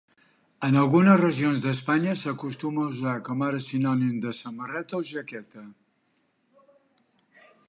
En algunes regions d'Espanya s'acostuma a usar com ara sinònim de samarreta o jaqueta.